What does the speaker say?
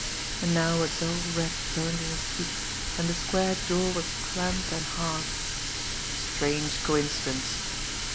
And now a dull red burned in his cheeks, and the square jaw was clamped and hard. Strange coincidence!